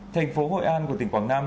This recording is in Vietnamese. thành phố hội an của tỉnh quảng nam